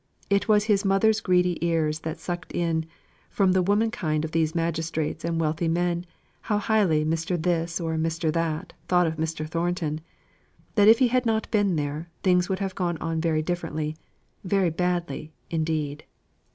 It was his mother's greedy ears that sucked in, from the womenkind of these magistrates and wealthy men, how highly Mr. This or Mr. That thought of Mr. Thornton: that if he had not been there, things would have gone on very differently, very badly, indeed.